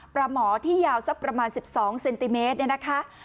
หมอที่ยาวสักประมาณ๑๒เซนติเมตรเนี่ยนะคะ